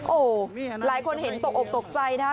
โอ้โหหลายคนเห็นตกออกตกใจนะฮะ